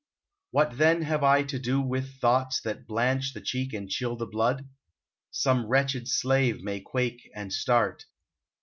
What then have I to do with thoughts That blanch the cheek and chill the blood ? Some wretched slave may quake and start.